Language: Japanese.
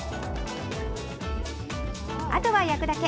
あとは焼くだけ。